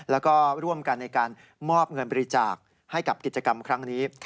แล้วก็ร่วมกันในการมอบเงินบริจาคให้กับกิจกรรมครั้งนี้